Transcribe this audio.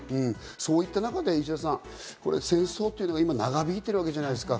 そういった中で石田さん、戦争というのは今、長引いてるわけじゃないですか。